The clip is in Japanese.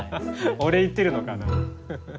お礼言ってるのかな？